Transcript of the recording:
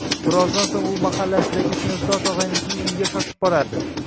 Birozdan so‘ng u mahallasidagi sinfdosh og‘aynisining uyiga shoshib borardi